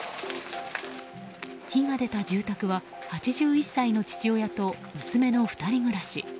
火が出た住宅は８１歳の父親と娘の２人暮らし。